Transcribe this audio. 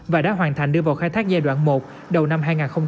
và đã hoàn thành đưa vào khai thác giai đoạn một đầu năm hai nghìn hai mươi